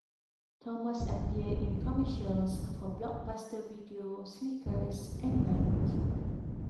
Thomas appeared in commercials for Blockbuster Video, Snickers and Nike.